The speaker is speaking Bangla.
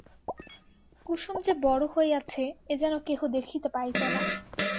কুসুম যে বড়ো হইয়াছে এ যেন কেহ দেখিতে পাইত না।